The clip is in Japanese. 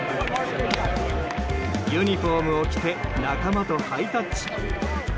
ユニホームを着て仲間とハイタッチ。